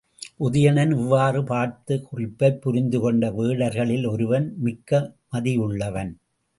உதயணன் இவ்வாறு பார்த்த குறிப்பைப் புரிந்துகொண்ட வேடர்களில் ஒருவன் மிக்க மதியுள்ளவன்.